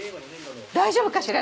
大丈夫かしら？